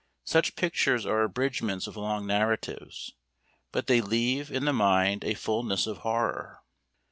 Such pictures are abridgments of long narratives, but they leave in the mind a fulness of horror.